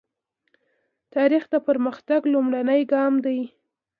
تاریخ د پرمختګ لومړنی ګام دی.